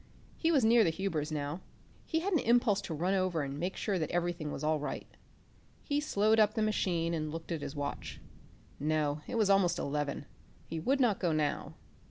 He was near the Hubers now; he had an impulse to run over and make sure that everything was all right. He slowed up the machine and looked at his watch. No, it was almost eleven; he would not go now.